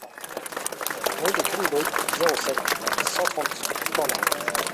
Rue des Colibris, zéro sept, cent trente Cornas